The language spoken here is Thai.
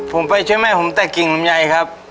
ผมไปช่วยแม่ผมแต่กิ่งลำไยครับ